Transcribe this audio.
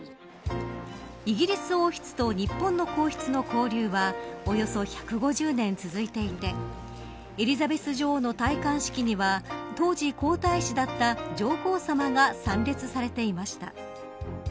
イギリス王室と日本の皇室の交流はおよそ１５０年続いていてエリザベス女王の戴冠式には当時皇太子だった上皇さまが参列されていました。